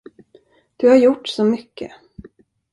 Du har gjort så mycket.